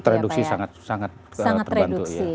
tereduksi sangat terbantu